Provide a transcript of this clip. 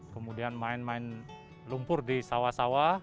kemudian main main lumpur di sawah sawah